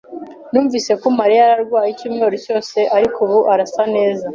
Numvise ko Mariya yari arwaye icyumweru cyose, ariko ubu arasa neza.